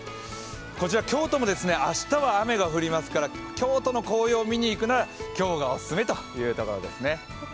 こちら京都も明日は雨が降りますから京都の紅葉を見に行くなら今日がおすすめというところです。